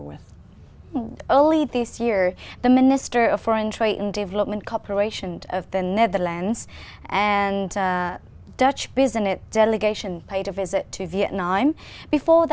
và hãy cho tôi nói về phương pháp phát triển năng lượng thành phố tốt và phương pháp phát triển năng lượng